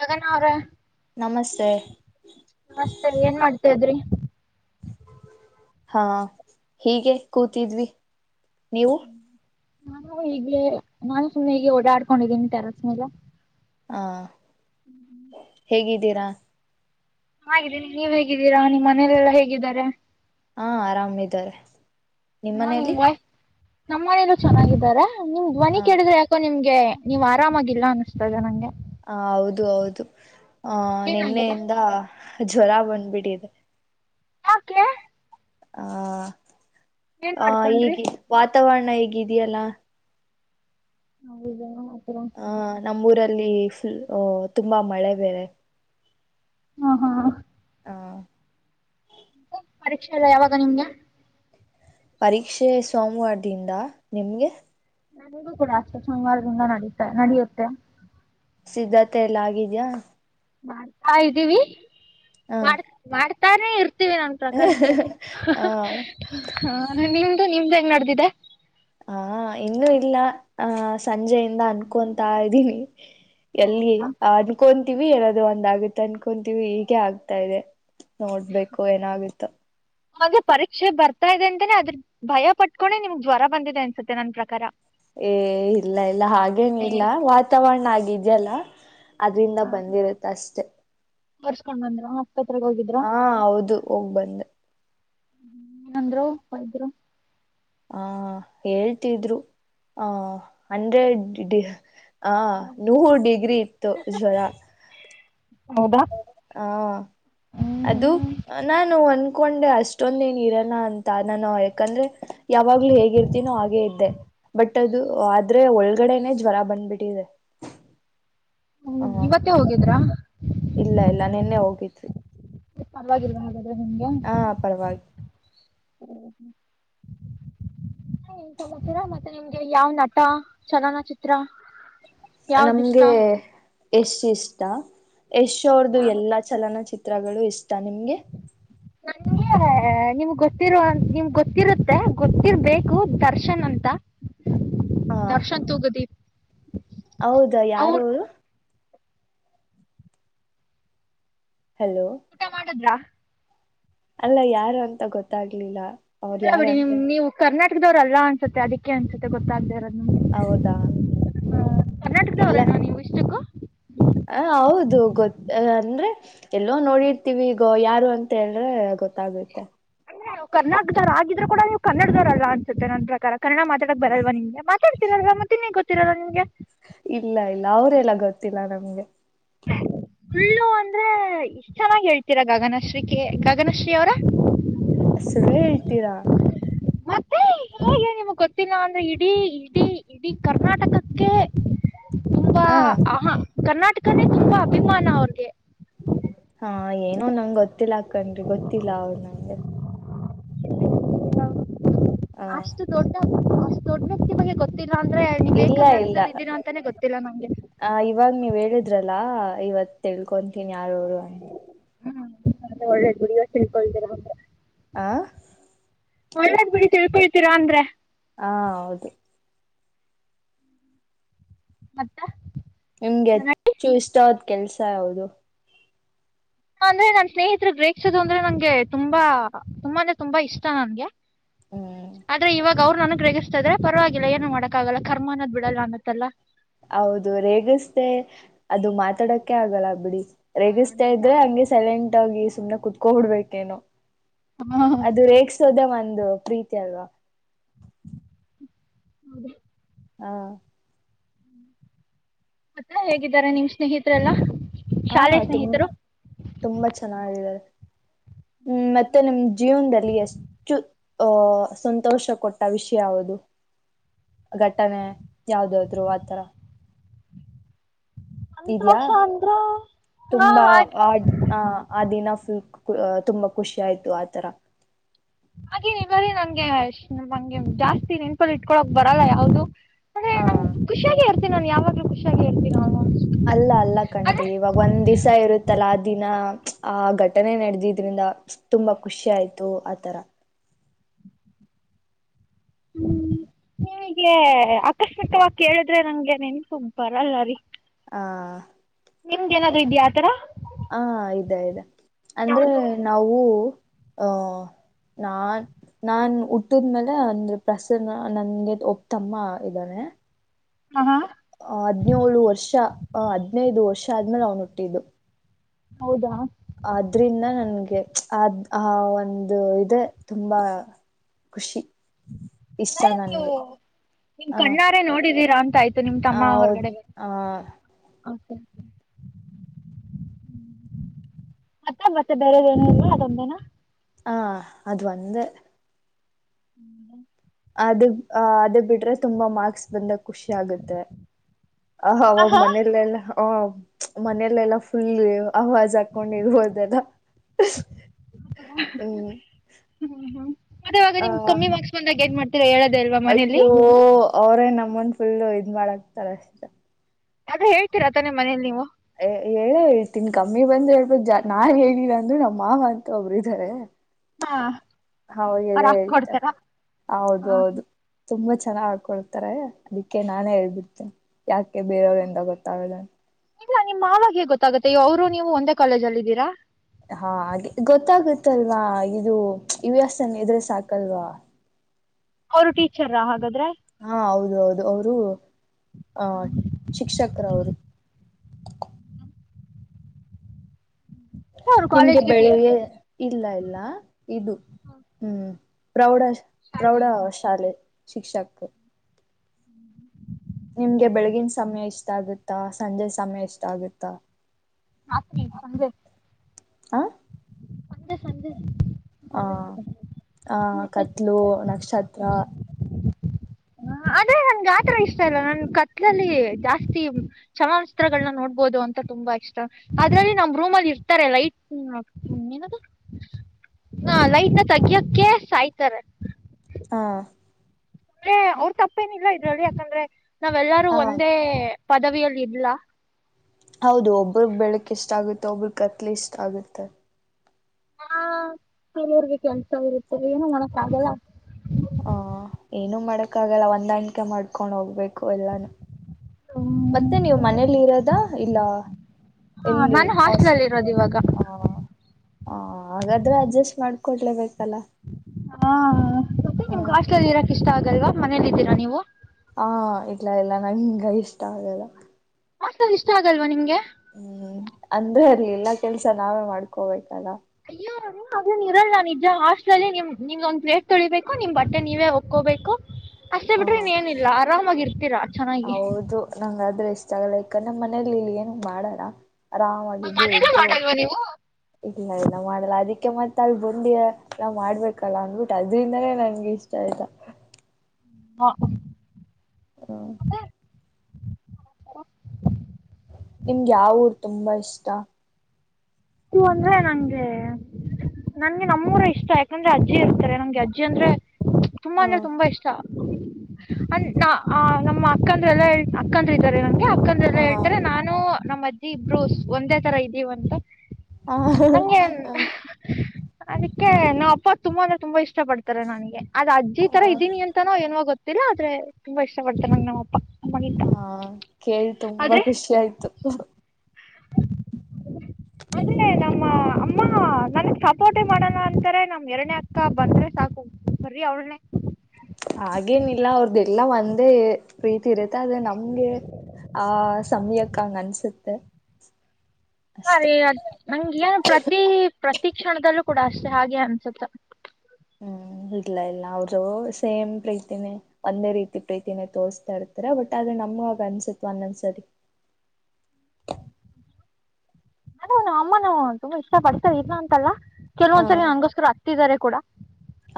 ಜಗನ ಅವರ ನಮಸ್ತೆ ದ್ರಿ ಹಾ ಹೀಗೆ ಕೂತಿದ್ವಿ ನೀವು ನಾನು ಈಗ್ಲೇ ನಾನು ಸುಮ್ಮ್ನೆ ಹೀಗೆ ಓಡಾಡ್ಕೊಂಡಿದ್ದೀನಿ ಟೆರಸ್ ಮೇಲೆ ಹಾ ಹೇಗಿದ್ದೀರಾ ಹಾಗಿದ್ದೀನಿ ನೀವ್ ಹೇಗಿದ್ದೀರಾ ನಿಮ್ ಮನೇಲೆಲ್ಲಾ ಹೇಗಿದ್ದಾರೆ ಹಾ ಆರಾಮಿದ್ದಾರೆ ನಿಮ್ಮ ನಾವ್ ನಿಮ್ ಮನೆಯಲ್ಲಿ ವಾಯ್ಸ್ ನಮ್ಮ ಮನೇಲ್ಲ ಚೆನ್ನಾಗಿದ್ದಾರಾ ಹಮ್ ಧ್ವನಿ ಹ ಕೇಳಿದ್ರ ಯಾಕೋ ನಿಮ್ ಗೆ ನೀವ ಆರಾಮಾಗಿಲ್ಲ ಅನ್ನಿಸ್ತದೆ ನಂಗೆ. ಹ ಹೌದು ಹೌದು ಆ ಏನಾಗಿದೆ ನಿನ್ನೆಯಿಂದ ಜ್ವರ ಬಂದ್ಬಿಟ್ಟಿದೆ. ಯಾಕೆ ಹ ಏನ್ ಹ ಈಗ ಮಾಡ್ಕೊಂಡ್ರಿ ವಾತಾವರಣ ಹೇಗಿದೆಯಲ್ಲಾ. ಹೌದಾ ಹಾ ನಮ್ಮೂರಲ್ಲ. ಅಲ್ಲಿ ಫುಲ್ ತುಂಬಾ ಮಳೆ ಬೇರೆ. ಹಾ ಹಾ ಹಾ ಪರೀಕ್ಷೆ ಎಲ್ಲ ಯಾವಾಗ ನಿಮ್ಗೆ. ಪರೀಕ್ಷೆ ಸೋಮವಾರದಿಂದ ನಿಮ್ಗೆ- ನಮ್ದ್ ಕೂಡ ಅಷ್ಟೇ ಸೋಮವಾರದಿಂದ ನಡುತ್ತೆ ನಡೆಯುತ್ತೆ. ಸಿದ್ಧತೆ ಎಲ್ಲ ಆಗಿದ್ಯಾ ಮಾಡ್ತಾ ಇದ್ದೀವಿ. ಮಾಡ್ ಹ ಮಾಡ್ ತಾನೇ ಇರ್ ರ ಸಿ ಬಿ ನನ್ ಪ್ರಕಾರ ಹಾ ಹ ಹಾ ನಿಮ್ದ ನಡೆದಿದೆ. ಹಾ ಇನ್ನುೂ ಇಲ್ಲ ಆ ಸಂಜೆಯಿಂದ ಅನ್ಕೊತಾ ಇದ್ದೀನಿ. ಎಲ್ಲಿ ಅನ್ಕೊ ಟಿವಿ ಇರೋದೆ ಒಂದ ಆಗುತ್ತೆ ಅನ್ಕೊಂತಿವವಿ ಹೀಗೆ ಆಗ್ತಾ ಇದೆ ನೋಡ್ಬೇಕು ಏನಾಗಿತ್ತು. ಹಾಗೆ ಪರೀಕ್ಷೆ ಬರ್ತಾ ಇದೆ ಅಂತೇನೆ ಅದ್ರ ಭಯ ಪಟ್ಕೊಂಡೆ ನಿಮ್ಗೆ ಜ್ವರ ಬಂದಿದೆ ಅನ್ಸತ್ತೆ ನನ್ ಪ್ರಕಾರ ಏ ಇಲ್ಲ ಇಲ್ಲ ಹಾಗೇನ ಇಲ್ಲ ವಾತಾವರಣ ಹಾಗಿದ್ ಜಲ ಅದ್ರಿಂದ ಬಂದಿರುತ್ತ ಅಷ್ಟೆ. ಕರ್ಸ್ಕೊಂಡ್ ಬಂದ್ರ ಹಾ ಹೌದು ಹೋಗ್ ಬಂದ ಹ್ಮ ಏನಂದ್ರು ವೈದರು. ಹ ಹೇಳ್ತಿದ್ರು ಆ ಅಂದ್ರೆಡಿ ಆ ನೂರು ಡಿಗ್ರಿ ಇತ್ತು ಜ್ವರ. ಹೌದಾ ಹ ಹ್ಮ್ ಅದು ಹ್ಮ್ ನಾನು ಒಂದ ಕುಕೊಂಡೆ ಅಷ್ಟೊಂದ ಏನ್ ಇರಲ್ಲ ಅಂತ ನಾನು ಯಾಕಂದ್ರೆ ಯಾವಾಗ್ಲೂ ಹೇಗಿರ್ತೀನೋ ಹಾಗೇ ಇದ್ದೆ ಬಟ್ ಅದು ಆದ್ರೆ ಒಳಗಡೆನೆೇ ಜ್ವರ ಬಂದ್ಬಿಟ್ಟಿದೆ ಹ್ಮ್ ಹಾ ಇವತ್ತೇ ಹೋಗಿದ್ರಾ ಇಲ್ಲ ಇಲ್ಲ ನಿನ್ನೆ ಹೋಗಿದ್ವಿ ಪರವಾಗಿಲ್ಲ ಹಾಗಾದೆ ಹಾ ಪರವಾಗಿ ಹ್ಮ್ ಹ್ಮ್ ನ್ತೀರ ಮತ್ತೆ ನಿಮ್ಗೆ ಯಾವ್ ನಟ ಚಲನಚಿತ್ರ ಯಾವ್ದ್ ಇಷ್ಟ ನಮ್ಗೆ ಯಶ್ ಇಷ್ಟಾ ಯಶ್ ಅವ್ರದುು ಎಲ್ಲಾ ಚಲನ ಚಿತ್ರ ಚಿತ್ರಗಳು ಇಷ್ಟ ನಿಮ್ಗೆ ನಂಗೆ ನಿಮ್ ಗೊತ್ತಿರುವ ನಿಮ್ಗೆ ಗೊತ್ತಿರುತ್ತೆ ಗೊತ್ತಿರ್ಬೇಕು ದರ್ಶನ್ ಅಂತ ಹ ದರ್ಶನ್ ತುಗುದೀಪ್ ಹೌದಾ ಯಾರ ಅವರು ಹಲೋ ಊಟ ಮಾಡುದ್ರಾ ಅಲ್ಲ ಯಾರು ಅಂತ ಗೊತ್ತಾಗ್ಲಿಲ್ಲ ಅವ್ರ ಇದ್ರ ಬಿಡಿ ನಿಮ ಯಾರಂತೆ ನೀವು ಕರ್ನಾಟಕ ದವ್ರಲ್ಲ ಅನ್ಸುತ್ತೆ ಅದಕ್ಕೆ ಅನ್ಸುತ್ತೆ ಗೊತ್ತಾಗ ಹೌದಾ ಇಲ್ಲ ಕರ್ನಾಟಕದವರೇನಾ ನೀವು ಇಷ್ಟಕ್ಕೂ ಹ ಹೌದು ಗೊತು ಅಂದ್ರೆ ಎಲ್ಲೋ ನೋಡಿರ್ತೀವಿ ಈಗ ಯಾರು ಅಂತ ಹೇಳ್ರೆ ಗೊತ್ತಾಗುತ್ತೆ ಕರ್ಟಕದವರಾಗಿದ್ರರು ಕೂಡ ನೀವು ಕನ್ನಡದವರಲ್ಲ ಅನ್ಸುತ್ತೆ ನನ್ನ ಪ್ರಕಾರ ಕನ್ನಡ ಮಾತಾಡಕ್ ಬರಲ್ವ ನಿಮ್ಗೆ ಮಾತಾಡ್ತಿರಲ್ವ ಮತ್ತ ಇನ್ ಹೆಂಗ್ ಗೊ ತ್ತಿರಲ್ಲ ನಿಮ್ಗೆ ಇಲ್ಲ ಇಲ್ಲ ಅವರೆೆಲ್ಲ ಗೊತ್ತಿಲ್ಲ ಸುಳ್ಳು ಅಂದ್ರೆ ಇಷ್ಟ ಚೆನ್ನಾಗಿ ಹೇಳ್ತೀರಾ ಗಗನಶ್ರೀ ಕ ಗಗನಶ್ರೀ ಅವರ ಸುಳ್ಳು ಹೇಳ್ತೀರಾ ಮತ್ತೆ ಹೇಗೆ ನಿಮ್ ಗೊತ್ತಿಲ್ಲ ಅಂದ್ರೆ ಇಡೀ ಇಡೀ ಇಡೀ ಕರ್ನಾಟಕಕ್ಕೆ ತುಂಬಾ ಹ ಆಹಾ ಕರ್ನಾಟಕ ಯಕಂದೆ ತುಂಬಾ ಅಭಿಮಾನ ಅವ್ರಿಗೆ ಹಾ ಏನೋ ನಂಗ್ ಗೊತ್ತಿಲ್ಲ ಕಣ್ರಿ ಗೊತ್ತಿಲ್ಲ ಅವ್ರು ನಂಗೆ ಹ ಅಷ್ಟು ದೊಡ್ಡ [unintelligible] ನೀವೇ ಇಲ್ಲ ಇಲ್ಲ ಕರ್ನಾಟಕದಲ್ಲಿ ಇದ್ದೀರಾ ಅಂತಾನೆ ಗೊತ್ತಿಲ್ಲ ನನಗೆ ಆ ಇವಾಗ ನೀವ್ ಹೇಳಿದ್ರಲ್ಲಾ ಇವತ್ತು ತಿಳ್ಕೊತೀನಿ ಯಾರ ಅವರು ಅಂತ ಹೆ ಒಳ್ಳೇದು ನೀವ ತಿಳ್ಕೊಿದ್ದೀರ ಹ್ರ ಆ ಒಳ್ಳದ್ ಬಿಡಿ ತಿಳ್ಕೊಳ್ತಿೀರಾ ಅಂದ್ರೆ ಹಾ ಹೌದು ಮತ್ತೆ ನಿಮ್ಗೆ ಚೂ ಇಷ್ಟತ್. ಕೆಲ್ಸ ಯಾದು. ಅಂದ್ರೆ ನಾನ್ ಸ್ನೇಹಿತರು ಗ್ರೇಕ್ಷಿಸೋದು ಅಂದ್ರೆ ನಂಗೆ ತುಂಬಾ ತುಂಬ ಅಂದ್ರೆ ತುಂಬಾ ಇಷ್ಟ ನನ್ಗೆ. ಹ್ಮ್ ಆದ್ರೆ ಇವಾಗ. ಅವ್ರು ನನಗ್ ಗ ರೇಗಿಸತ ಇದ್ರೆ ಪರವಾಗಿಲ್ಲ ಏನು ಮಾಡಕಕ್ಕಾಗಲ್ಲ ಕರ್ಮ ಅನ್ನೋ್ ಬಿಡಲ್ಲ ಅನ್ನತ್ತಲ್ಲ. ಹೌದು ರೇಗಸ್ೇ ಅದು ಮಾತಾಡಕ್ಕೆ ಆಗಲ್ಲ ಬಿಡಿ. ರೇಗಿಸ್ತಾ ಇದ್ರೆ ಹಂಗೆ ಸೆಲೆಂಟ್ ಆೋಗಿ. ಸುಮ್ನೆ ಕುೂತ್ಕೋ ಹಿಡ್ಬೇಕೇನು. ಅದು ರೇಗ್ಿಸೋದೆ ಮಾ. ಒಂದು ಪ್ರೀತಿ ಅಲ್ವಾ. ಹೌದ. ಹಾ. ಮತ್ತ ಹೇಗಿದ್ದಾರೆ ನಿಮ್ಮ್ ಸ್ನೇಹಿತ್ರೆ ಎಲ್ಲ. ಹಾ ತು ತುಂಬಾ ಚೆನ್ನಾಗಿದೆ. ಹ್ಮ್ ಮತ್ತೆ ನಿಮ್ ಜೀವನದಲ್ಲಿ ಎಷ್ಟು ಅಹ ಸಂತೋಷ ಕೊಟ್ಟ ವಿಷಯ ಯಾದು ಘಟನೆ ಯಾವ್ದಾದ್ರು ಆತರ. ಇದ್ಯಾಾ ಸಂತೋಷ ಅಂದ್ರ ಹಾ ತುಂಬಾ ಹಾಗ್- ಆ ಆ ದಿನ. ತುಂಬಾ ಖುಷಿ ಆಯ್ತು ಆತರ. ಹಾಗೆ ನಿ ಬ್ರ ನಂಗೆಂಗೆ ಜಾಸ್ತಿ ನೆನ್ಪಲ್ಲಿ ಇಟ್ಕೊಳಕ್ ಬರಲ್ಲ ಯಾವ್ದು. ಅಂದೆ ನಮ್ ಹಾ ಖುಷಿಯಾಗಿ. ನಾನು ಯಾವಾಗ ಖಷಾಗಿ ಹೇತೀನ ಅವ ಅಲ್ಲ ಅಲ್ಲ ಕಣ್ರಿ ಇವಾಗ ಒಂದ್ ದಿವ್ಸ ಇರುತ್ತಲ್ಲ ಆ ದಿನ ಆ ಘಟನೆ ನಡೆದಿದ್ರಿಂದ ತುಂಬಾ ಖುಷಿ ಆಯ್ತು ಆತರ ಹ್ಮ್ ನಿಗೆ ಆಕಸ್ಮಿಕವಾಗಿ ಕೇಳಿದ್ರೆ ನಂಗೆ ನೆನ್ಪು ಬರಲ್ಲ ರೀ ಹ ನಿಮ್ದ ಏನಾದ್ೂ ಇದ್ಯಾಾ ಆತರ ಹಾ ಇದ ಇದಾ. ಅಂದ್ರೆ ಯಾವುದು ನಾವು. ಅಹ ನಾನ್ ನಾನ್ ಹುಟ್ಟಿದ್ಮೇಲೆ ಅಂದೆ ಪ್ರಸನ್ನ ನನ್ಗೆ ಒಪ್ತಮ್ಮ ಇದ್ದಾನೆ. ಹ ಹಾ. ಆ ಹದ್ನೇಳು ವರ್ಷ ಆ ಹದ್ನೈದು ವರ್ಷ ಆದ್ಮೇಲೆ ಅವ್ನು ಹುಟ್ಟಿದ್ದು. ಹೌದಾ ಆದ್ರಿಂದ ನನ್ಗೆ ಅ್ ಆ ಒಂದು ಇದೆ ತುಂಬಾ ಖುಷಿ. ಇಷ್ಟ ಅಂದ್ರೆ ನೀವು ನನ್ಗೆ ನಿಮ ಆ ಕಣ್ಣಾರೆೇ ನೋಡಿದೀರ ಅ. ಮ ನಿಮ್ ತಮ್ಮ ಹೌದ್ ಹೊರಗಡೆೆ. ಆ ಮತ್ತ ಮತ್ತೆ ಬೇರೆದೇನ ಇಲ್ವಾ ಅದೊಂದೇನಾ. ಹಾ ಅದು ಒಂದ. ಹ್ಮ. ಅದು ಅದು ಬಿಟ್ರೆ ತುಂಬಾ ಮಾರ್ಕ್ಸ್ ಬಂದಕ್. ಖುಷಿ ಆಗುತ್ತೆ ಆ ಹಾಂ ಅವಾಗ ಹಾಂ ಮನೇಲೆೆಲ್ಲ ಆ ಮನೆಯಲೆೆಲ್ಲ. ಸ. ಅವಾಜ್ ಹಾಕೊಂಡಿರ್ಬೋದಲ್ಲ ಹ್ಮ್ ಆ ಹೇಳದೇ ಇಲ್ವಾ ಮನೇಲಿ ಅಯ್ಯೋ ಅವರೇ ನಮ್ಮನ್ ಫುಲ್ ಇದ್ ಮಾಡಕ್ತಾರ ಅಷ್ಟೆ ಅದ ಹೇಳ್ತೀರಾ ತಾನೆ ನಿಮ್ಮ ಮನೇಲಿ ನೀವು ಹೇಳೆ ಹೇಳ್ತೀನಿ ಕಮ್ಮಿ ಬಂದ್ರ ಹೇಳ್ಬ ಜಾ ನಾನ್ ಹೇಳಿಲ್ಲಾ ಅಂದರು ನಮ್ಮ ಮಾವ ಅಂತ ಒಬ್ರು ಇದಾರೆ ಹಾಂ ಹ ಅವ್ರು ಹೇಳೇ ಹಾಕಿ ಹೇಳ್ತಾ ಕೊಡ್ತಾರಾ ಹೌದು ಹಾಂ ಹೌದು ತುಂಬಾ ಚೆನ್ನಾಗ ಹಕೊಡ್ತಾರೆ ಅದಕ್ಕೆ ನಾನೇ ಹೇಳ್ಬಿಡ್ತೇನೆ ಯಾಕೆ ಬೇರೆಯವ್ರಂದ ಗೊತ್ತಾಗೋದ ಇಲ್ಲ ನಿಮ್ಮ ಮವಾಗ ಹೆಂಗ ಗೊತ್ತಾಗತ್ತೆ ಅವರು ನೀವು ಒಂದೇ ಕಾಲೇಜ ಅಲ್ಲಿದ್ದೀರಾ ಹಾ ಹಾಗೆ ಗೊತ್ತಾಗುತ್ತಲ್ವಾ ಇದು ಯು ಎಸ್ ಎನ್ ಇದ್ರೆ ಸಾಕಲ್ವಾ ಅವರು ಟೀಚರ್ ಹಾಗಾದ್ರೆ ಹಾ ಹೌದು ಹೌದು ಅವರು ಅ ಶಿಕ್ಷಕರ ಅವರು ಅವರು ನಿಮ್ಗೆ ಕಾಲೇಜ್ಗೆ ಬೆಳಗೆ ಇಲ್ಲ ಇಲ್ಲ ಇದು ಹ್ಮ್ ಪ್ರೌಡ್ ಶಾ ಪ್ರೌಢ ಟಿ ಶಾಲೆ ಶಿಕ್ಷಕ್ ನಿಮ್ಗೆ ಬೆಳಗಿನ ಸಮಯ ಇಷ್ಟಾಗುತ್ತಾ ಸಂಜೆ ಸಮಯ ಇಷ್ಟ ಆಗುತ್ತಾ [unintelligible] ಸಂಜೆ ಹ ಸಂಜೆ ಹಾ ಸಂಜೆ ಆ ಕತ್ಲು ನಕ್ಷತ್ರ ಹ ಆದ್ರೆ ನನ್ಗೆ ಆತರ ಇಷ್ಟ ಇಲ್ಲ ನನ್ ಕತ್ಲಲ್ಲಿ ಜಾಸ್ತಿ ಚಲನಚಿತ್ರಗಳನ್ನ ನೋಡ್ಬೋದು ಅಂತ ತುಂಬಾ ಇಷ್ಟ ಅದ್ರಲ್ಲಿ ನಮ್ ರೂಮ್ ಅಲ್ಲಿ ಇರ್ತಾರೆ ಲೈಟ್ ಏನದು ಹ ಲೈಟ್ ತೆಗಿಯಕ ಸಾಯ್ತಾರೆ ಹಾ ಅಂದ್ರೆ ಅವ್ರ ತಪ್ಪೇನಿಲ್ಲ ಇದ್ರಲ್ಲಿ ಯಾಕಂದ್ರೆ ನಾವೆಲ್ಲಾರೂ ಹ ಒಂದೇ ಪದವಿಯಲ್ಲಿ ಇಲ್ಲಾ ಹೌದು ಒಬ್ರಗ್ ಬೆಳಕ ಇಷ್ಟ ಆಗುತ್ತೆ ಒಬ್ರ ಕತ್ಲಿ ಇಷ್ಟ ಆಗುತ್ತೆ ಹಾ ಕೆಲವ್ರರಿಗೆ ಕೆಲ್ಸ ಇರುತ್ತದೆ ಏನು ಮಾಡಕ್ ಆಗಲ್ಲ ಹ ಏನುೂ ಮಾಡಕ್ಕ ಆಗಲ್ಲ ಹೊಂದಾಣಿಕೆ ಮಾಡ್ಕೊಂಡ್ ಹೋಗ್ಬೇಕು ಎಲ್ಲಾನು ಮತ್ತೆ ನೀವು ಮನೆಲಿ ಇರೋದ ಇಲ್ಲ ಎಲ್ಲಿ ನಾನು ಹ ಹಾಸ್ಟೆಲಲ್ಲಿ ಇರೋದು ಇವಾಗ ಹಾಗಾದ್ರೆ ಅಡ್ಜಸ್ಟ್ ಮಾಡ ಕೊಡ್ಲೇಬೇಕು ಹಾ ಮತ್ತೆ ಹ ನಿಮ್ಗೆಾಸ್ಟ್ಲಲ್ಲಿ ಇರಕ್ ಇಷ್ಟ ಆಗೆ ಲ್ವಾ ಮನೇಲ್ಲಿದ್ದೀರಾ ನೀವು ಹಾ ಇಲ್ಲಾ ಇಲ್ಲಾ ನಂಗ ಇಷ್ಟ ಆಗಲ್ಲ ಹಾಸ್ಟೆಲ್ ಇಷ್ಟ ಆಗಲ್ವಾ ನಿಮ್ಗೆ ಹ್ಮ್ ಅಂದ್ರೆ ಅರ್ಲಿ ಇಲ್ಲಾ ಕೆಲ್ಸ ನಾವೇ ಮಾಡ್ಕೋಬೇಕು ಅಯ್ಯೋರು ಹಾಗೇನ ಇರಲ್ಲ ನಾ ನಿಜ ಹಾಸ್ಟ್ಲಲ್ಲಿ ನಿಮ್ ನಿಮ್ಗ ಒಂದ್ ಪ್ಲೇಟ್ ತೊಳ್ಕೋಬೇಕು ನಿಮ್ ಬಟ್ಟೆ ನೀವೇ ಒಕ್ಕಕೋಬೇಕು ಅಷ್ಟೇ ಹ ಬಿಟ್ರೆ ಏನಿಲ್ಲ ಆರಾಮಾಗಿ ಇರ್ತೀರಾ ಚೆನ್ನಾಗಿ ಲ್ಲ ಈಕ ನಮ್ಮ್ ಮನೇಲಿ ಇಲ್ಲಿ ಏನು ಮಾಡಾರ. ಆರಾಮಾಗಿದ್ದು ಮನೇಲೂ ಇದ್ದು ಮಾಡಲ್ವಾ ನೀವು ಇದ್ದು ಇಲ್ಲ ಮಾಡಲ್ಲ ಅದಕ್ಕೆ ಮತ್ತ ಅಲ್ಲಿ ಬಂದಿ ಎಲ್ಲ ಮಾಡ್ಬೇಕಲ್ಲ ಅಂದ್ಬಿಟ್ಟು ಅದ್ರಿಂದಾನೇ ನಂಗೆ ಇಷ್ಟ ಅಯ್ತಾ. ಹಾ ಹಾ ನಿಮ್ಗೆ ಯಾವ ಊರ್ ತುಂಬಾ ಇಷ್ಟ? ಊರು ಅಂದ್ರೆ ನಂಗೆ ನಂಗೆ ನಮ್ಮೂರ ಇಷ್ಟ ಯಾಕಂದ್ರೆ ಅಜ್ಜಿ ಇರ್ತಾರೆ, ನಮ್ಗೆ ಅಜ್ಜಿ ಅಂದ್ರೆ ತುಂಬಾ ಅಂದ್ರೆ ಹ್ಮ್ ತುಂಬಾ ಇಷ್ಟ. ಅಂಡ್ ನಮ್ಮ ಅಕ್ಕಂದ್ರ ಎಲ್ಲ ಅಕ್ಕಂದ್ರ ಇದ್ದಾರೆ, ನ ಹಕಂದಲ್ಲ ಹೇಳ್ತಾರೆ ಹ ನಾನು ನಮ್ಮ ಇಬ್ರು ಒಂದೇ ತರ ಇದೀವ ಅಂತ. ಹ ಹ ಅದಕ್ಕೆ ನಾ ಅಪ್ಪ ತುಂಬ ಅಂದ್ರೆ ತುಂಬಾ ಇಷ್ಟ. ಇಷ್ಟ ಪಡ್ತಾರೆ ನನಗೆ, ಅಜ್ಜಿ ತರ ಹ ಇದೀನಿ ಅಂತಾನೋ ಏನವಾಗ ಗೊ ಗೊತ್ತಿಲ್ಲಾ ಆದ್ರೆ ತುಂಬಾ ಇಷ್ಟ ಪಡ್ತರೆ ನಂಗ ನಮ್ಮಪ್ಪ. ಹ ಕೇಳ್ ತುಂಬಾ ಖುಷಿ ಆಯ್ತು. ಅಂದ್ರೆ ನಮ್ಮ ಅಮ್ಮ ನನ್ಗ್ ಸಪೋರ್ಟಿ ಮಾಡೋಣ ಅಂತಾರೆ ನಮ್ ಎರನೇ ಅಕ್ಕ ಬಂದ್ರೆ ಸಾಕು ಬರಿ ಅವಳನೇ ಹಾಗೇನಿಲ್ಲ ಅವ್ರದೆಲ್ಲ ಒಂದೇ ಪ್ರೀತಿ ಇರುತ್ತೆ ಅದ ನಮ್ಗೆ ಆ ಸಮಯಕ್ಕ ಹಂಗ ಅನ್ಸುತ್ತೆ. ಹ ಅಷ್ಟೆ ರೇ ಅ ನಂಗಗೆ ಏನ್ ಪ್ರತಿ? ಪ್ರತಿ ಕ್ಷಣದಲ್ಲೂ ಕೂಡ ಅಷ್ಟೆ ಹಾಗೆ ಅನ್ಸುತ್ತ. ಹ್ಮ್ ಇಲ್ಲ ಇಲ್ಲ ಅವರು ಸೇಮ್ ಪ್ರೀತಿನೇ ಒಂದೇ ರೀತಿ ಪ್ರೀತಿನೇ ತೋರ್ತಾ ಇರ್ತಾರೆ, ಬಟ್ ಆದ್ರೆ ನಮ್ಗ ಆಗ ಅನ್ಸತ್ ಒಂದೊಂದ್ಸರಿ. ಅ ನಾ ಅಮ್ಮನಾವು ತುಂಬಾ ಇಷ್ಟ ಪಡ್ತೇವೆ ಇಗ ಅಂತಲ್ಲ. ಹ ಕೆಲವಂದ್ಲಲಿ ಅಂಗೋಸ್ಕರ ಇಟ್ಟಿದ್ದಾರೆ ಕೂಡ.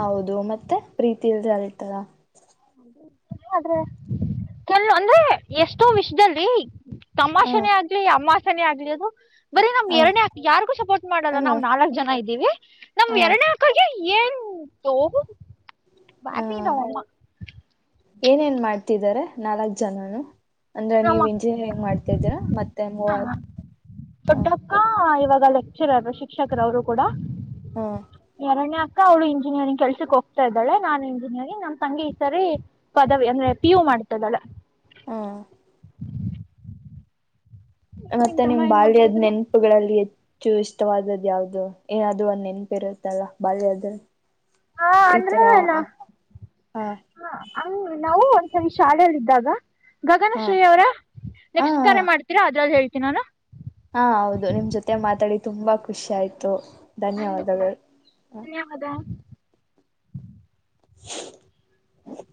ಹೌದು ಮತ್ತೆ ಪ್ರೀತಿ ಇಲ್ ಅಳ್ತರ ಆದ್ರೆ ಕೆಲ್ವು ಅಂದ್ರೆ ಎಷ್ಟೋ ವಿಷಯದಲ್ಲಿ ಹ ತಮಾಷೆನೆ ಆದ್ರಿ ಅಮ್ಮಾ ಆಗಲಿದು ಬರಿ ನಮ್ ಹ ಎರಡೇ ಯಾರಿಗು ಸಪೋರ್ಟ್ ಹ ಮಾಡಲ್ಲ ನಾಲ್ಕು ಜನ ಐ ನಮ್ ಹ ಎರನೇಕಗೆ ಏನ್ ತೋಗು ಹ ಬಾಟಿ ತ ಹ ಏನೇನ್ ಮಾಡ ಮಾಡ್ತಿದ್ದಾರೆ ನಾಲ್ಕ್ ಜನನು ಅಂದ್ರೆ ನೀವ್ ನಮ್ಮಕ್ಕ ಇಂಜಿನಿಯರಿಂಗ್ ಮಾಡ್ತಿದ್ದೀರಾ ಮತ್ತೆಲ್ ಹ?? ದೊಡ್ಡಕ್ಕ ಇವಾಗ ಲೆಕ್ಚರರ್, ಶಿಕ್ಷಕರು ಅವರು ಕೂಡ‌. ಹ ಎರಡನೇ ಅವಳು ಇಂಜಿನಿಯರಿಂಗ್ ಕೆಲ್ಸಕ್ ಹೋಗ್ತಾ ಇದ್ದಾಳೆ, ನಾನ್ ಇಂಜಿನಿಯರಿಂಗ್ ನಮ್ಮ ತಂಗಿ ಈ ಸರಿ ಪದವಿ ಅಂದ್ರೆ ಪಿ ಯು ಮಾಡ್ತಿದಾಳೆ. ಹಾ ಮತ್ತೆ ತಮ್ಮ ನಿಮ್ ಏನ್ ಬಾಲ್ಯದ್ ಮಾಡ್ತಿದ್ರು ನೆನಪುಗಳಲ್ಲಿ ಎ ಇಷ್ಟವಾದ್ದ ಯಾವ್ದು ಏನಾದದು ಒಂದ್ ನೆನಪಿರುತ್ತಲ್ಲ ಬಾಲ್ಯದ್ದು? ಹಾ ಅಂದ್ರಲ್ಲ ನಾ, ಹ ಹಂಗ ನಾವು ಶಾಲೆಯಲ್ಲಿ ಇದ್ದಾಗ ಗಗನ ಹಾ ಶ್ರೀ ಅವರ ಹ ನೆಕ್ಸ್ಟ್ ಕರೆ ಮಾಡ್ತೀರಾ ಅದ್ರಲ್ಲಿ ಹೇಳ್ ತಿನಿ ನಾನು. ಹಾ ಹೌದು ನಿಮ್ ಜೊತೆ ಮಾತಾಡಿ ತುಂಬಾ ಖುಷಿ ಆಯ್ತು. ನಂದು ಕೂಡ, ಧನ್ಯವಾದಗಳು ಹ ಧನ್ಯವಾದ.